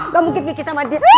gak mungkin mikir sama dia